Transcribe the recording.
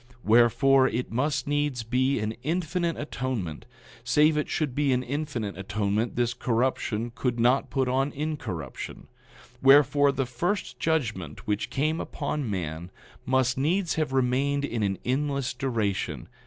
9:7 Wherefore, it must needs be an infinite atonement—save it should be an infinite atonement this corruption could not put on incorruption. Wherefore, the first judgment which came upon man must needs have remained to an endless duration.